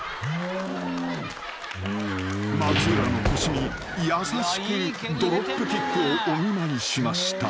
［松浦の腰に優しくドロップキックをお見舞いしました］